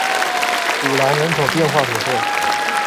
古兰人口变化图示